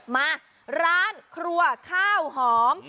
มาร้านครัวข้าวหอม